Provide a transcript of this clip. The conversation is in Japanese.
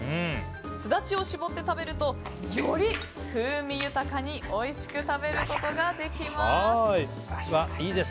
スダチを搾って食べるとより風味豊かにおいしく食べることができます。